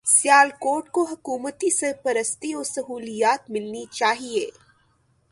سیالکوٹ کو حکومتی سرپرستی و سہولیات ملنی چاہیے